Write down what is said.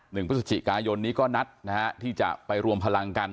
หนึ่งพฤศจิกายนนี้ก็นัดนะฮะที่จะไปรวมพลังกัน